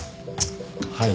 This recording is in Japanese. はい。